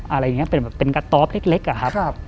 อะไรอย่างเนี่ยเป็นกระตอบเล็กอะครับ